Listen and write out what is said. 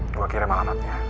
gue kirim alamatnya